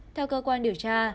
theo cơ quan điều tra